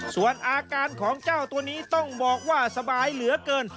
ส่วนอาการของเจ้าตัวนี้ต้องบอกว่าสบายเหลือเกิน